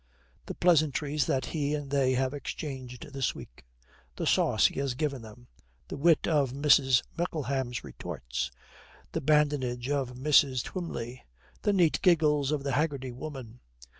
The pleasantries that he and they have exchanged this week! The sauce he has given them. The wit of Mrs. Mickleham's retorts. The badinage of Mrs. Twymley. The neat giggles of the Haggerty Woman.